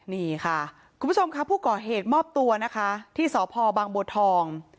นี่ค่ะคุณผู้ชมค่ะผู้ก่อเหตุมอบตัวนะคะที่สพบางบัวทอง